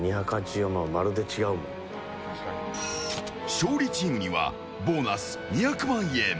勝利チームにはボーナス２００万円。